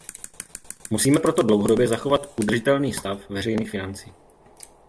Musíme proto dlouhodobě zachovat udržitelný stav veřejných financí.